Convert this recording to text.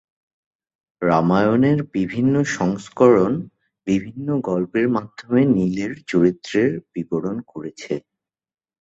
রামায়ণের বিভিন্ন সংস্করণ বিভিন্ন গল্পের মাধ্যমে নীলের চরিত্রের বিবরণ করেছে।